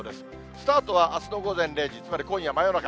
スタートはあすの午前０時、つまり今夜、真夜中。